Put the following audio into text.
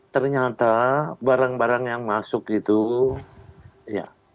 ternyata barang barang yang masuk itu ya